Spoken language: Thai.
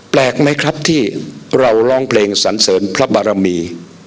แปลกไหมครับที่เราร้องเพลงสันเสริญพระบารมี